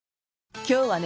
今日はね